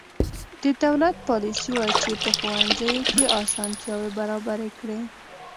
د دولت پالیسي وه چې په ښوونځیو کې اسانتیاوې برابرې کړې.